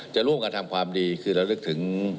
จะร่วมกันทำความดีคือเรานึกถึง